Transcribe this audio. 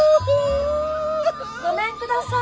・ごめんください。